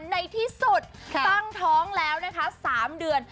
ในที่สุดตั้งท้องแล้วนะคะ๓เดือน